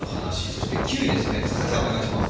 そして９位、佐々木さん、お願いします。